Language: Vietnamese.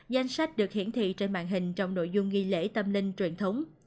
danh sách được hiển thị trên mạng hình trong nội dung nghi lễ tâm linh truyền thống